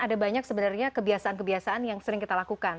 ada banyak sebenarnya kebiasaan kebiasaan yang sering kita lakukan